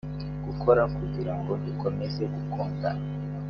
gukora kugira ngo dukomeze gukundana